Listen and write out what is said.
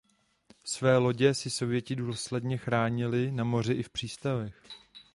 Své lodě si sověti důsledně chránili na moři i v přístavech.